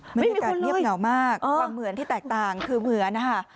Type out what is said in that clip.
บรรยากาศเงียบเหงามากความเหมือนที่แตกต่างคือเหมือนนะคะ